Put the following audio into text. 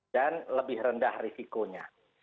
dan lebih rendah risikonya